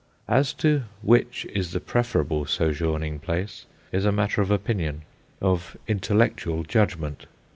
As to which is the preferable sojourning place is a matter of opinion, of intellectual judgment.